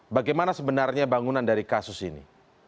bagaimana sebenarnya bangunan dari kasus ini